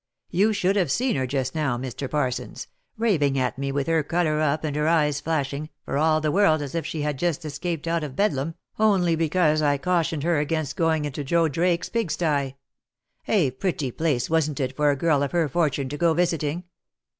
You should have seen her just now, Mr. Parsons, raving at me with her colour up and her eyes flashing, for all the world as if she had just escaped out of Bedlam, only because I cautioned her against going irrto Joe Drake's pigsty, — a pretty place wasn't it for a girl of her fortune to go visiting?